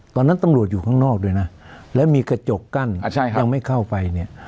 ตอนนั้นตำรวจอยู่ข้างนอกด้วยนะแล้วมีกระจกกั้นยังไม่เข้าไปเนี่ย